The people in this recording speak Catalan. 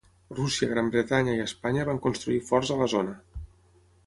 Rússia, Gran Bretanya i Espanya van construir forts a la zona.